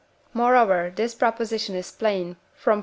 Moreover, this proposition is plain from IV.